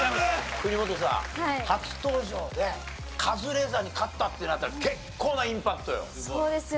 国本さん初登場でカズレーザーに勝ったってなったら結構なインパクトよ。